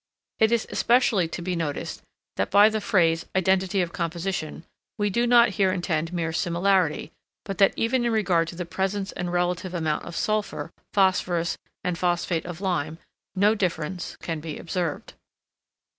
It is especially to be noticed, that by the phrase, identity of composition, we do not here intend mere similarity, but that even in regard to the presence and relative amount of sulphur, phosphorus, and phosphate of lime, no difference can be observed.